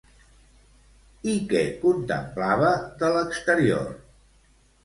I què contemplava, de l'exterior?